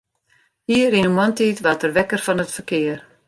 Ier yn 'e moarntiid waard er wekker fan it ferkear.